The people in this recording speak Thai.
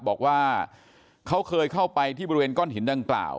บอกว่าเขาเคยเข้าไปที่บริเวณก้อนหินดังกล่าว